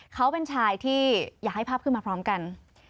เขาเป็นชายที่อยากให้ภาพขึ้นมาพร้อมกัน